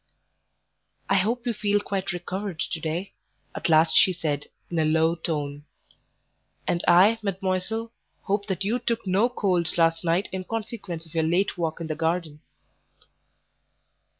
"I hope you feel quite recovered to day," at last she said, in a low tone. "And I, mademoiselle, hope that you took no cold last night in consequence of your late walk in the garden."